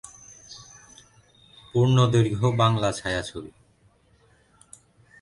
এগুলো হচ্ছেঃ